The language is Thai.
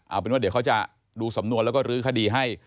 เอาเป็นว่าเดี๋ยวเขาจะดูสำนวนแล้วก็รื้อคดีให้